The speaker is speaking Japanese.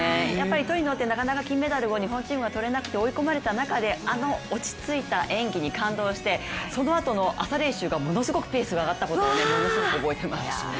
トリノってなかなか金メダルを、日本チームがとれずに追い込まれた中であの落ち着いた演技に感動してそのあとの朝練習がものすごくペースが上がったことを、ものすごく覚えてます。